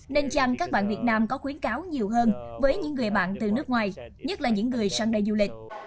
nên chăng các bạn việt nam có khuyến cáo nhiều hơn với những người bạn từ nước ngoài nhất là những người sang đây du lịch